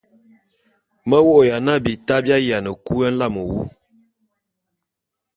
Me vô'ôya na bita bi aye kui nlame wu.